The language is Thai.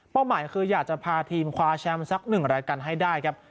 หมายคืออยากจะพาทีมคว้าแชมป์สักหนึ่งรายการให้ได้ครับ